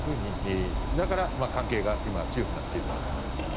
だから関係が、今強くなっているんだと思います。